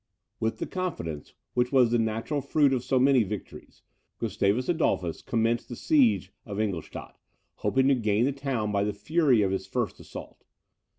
With the confidence which was the natural fruit of so many victories, Gustavus Adolphus commenced the siege of Ingolstadt, hoping to gain the town by the fury of his first assault.